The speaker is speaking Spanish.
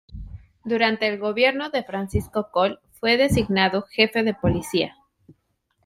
Durante el gobierno de Francisco Coll fue designado jefe de policía.